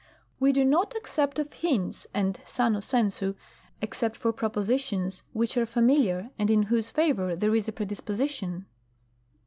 We do not accept of hints, and sano sensu, except for propositions which are familiar and in whose favor there is a predisposition.